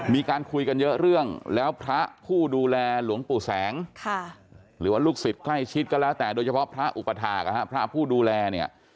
มีการคุยกันเยอะเรื่องแล้วพระผู้ดูแลหลวงปู่แสงหรือว่าลูกศิษย์ใกล้ชิดก็แล้วแต่โดยเฉพาะพระอุปถาคพระผู้ดูแลเนี่ย